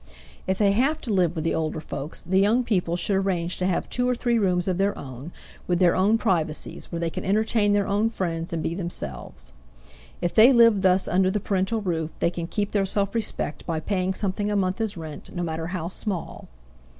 If they have to live with the older folks, the young people should arrange to have two or three rooms of their own, with their own privacies, where they can entertain their own friends and be themselves. If they live thus under the parental roof, they can keep their self respect by paying something a month as rent, no matter how small.